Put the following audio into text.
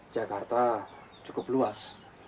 jakarta cukup luas